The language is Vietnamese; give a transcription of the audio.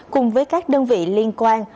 cùng với các đơn vị liên quan